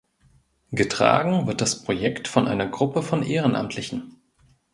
Getragen wird das Projekt von einer Gruppe von Ehrenamtlichen.